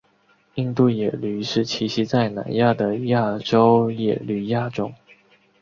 印度野驴是栖息在南亚的亚洲野驴亚种。